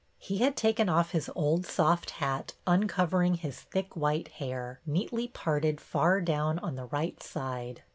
He had taken off his old soft hat, uncovering his thick white hair, neatly parted far down on the right side.